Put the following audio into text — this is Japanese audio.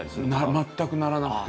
全くならなくて。